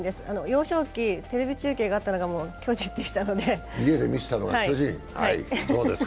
幼少期、テレビ中継があったのは巨人でしたので。